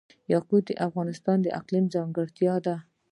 یاقوت د افغانستان د اقلیم ځانګړتیا ده.